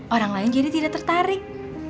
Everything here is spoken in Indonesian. orang lain jadi tidak tertarik